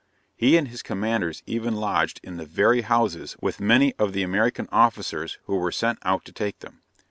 He and his comrades even lodged in the very houses with many of the American officers who were sent out to take them.